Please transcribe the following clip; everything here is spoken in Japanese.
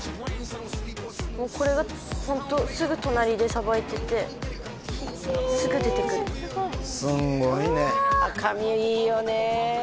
これがホントすぐ隣でさばいててすぐ出てくるすんごいね赤身いいよね